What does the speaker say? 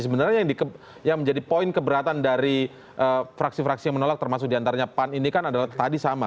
sebenarnya yang menjadi poin keberatan dari fraksi fraksi yang menolak termasuk diantaranya pan ini kan adalah tadi sama